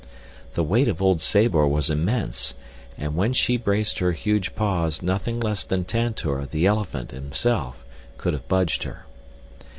The weight of old Sabor was immense, and when she braced her huge paws nothing less than Tantor, the elephant, himself, could have budged her.